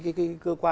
nói thế nào là